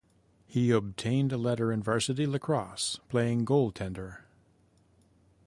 He obtained a letter in varsity lacrosse playing goaltender.